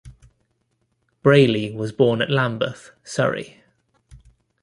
Brayley was born at Lambeth, Surrey.